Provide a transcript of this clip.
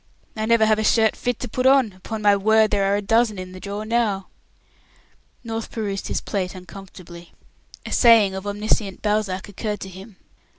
"I never have a shirt fit to put on. Upon my word, there are a dozen in the drawer now." North perused his plate uncomfortably. A saying of omniscient Balzac occurred to him.